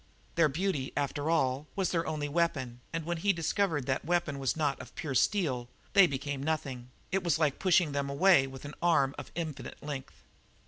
Their beauty, after all, was their only weapon, and when he discovered that that weapon was not of pure steel, they became nothing; it was like pushing them away with an arm of infinite length.